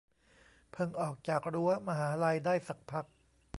เพิ่งออกจากรั้วมหาลัยได้สักพัก